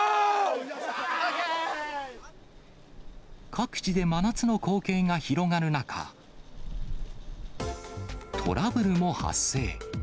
各地で真夏の光景が広がる中、トラブルも発生。